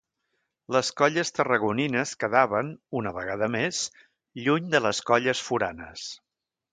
Les colles tarragonines quedaven, una vegada més, lluny de les colles foranes.